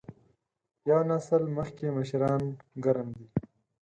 یو نسل مخکې مشران ګرم دي.